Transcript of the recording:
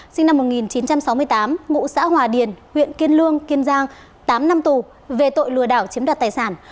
sinh năm một nghìn chín trăm sáu mươi tám ngụ xã hòa điền huyện kiên lương kiên giang tám năm tù về tội lừa đảo chiếm đoạt tài sản